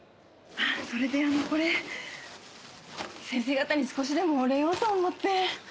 それであのこれ先生方に少しでもお礼をと思って。